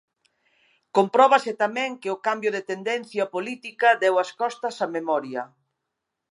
Compróbase tamén que o cambio de tendencia política deu as costas a memoria.